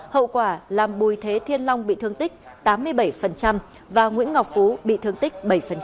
hậu quả làm bùi thế thiên long bị thương tích tám mươi bảy và nguyễn ngọc phú bị thương tích bảy